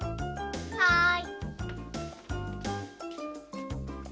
はい。